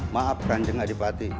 maafkan kanjeng adipati